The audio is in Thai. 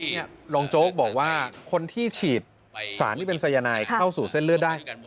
นี่รองโจ๊กบอกว่าคนที่ฉีดสารที่เป็นสายนายเข้าสู่เส้นเลือดได้